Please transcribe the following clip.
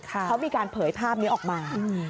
เขามีการเผยภาพนี้ออกมา